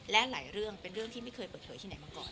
และหลายเรื่องเป็นเรื่องที่ไม่เคยเปิดเผยที่ไหนมาก่อน